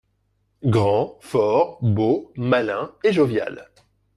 Grand, fort, beau, malin et jovial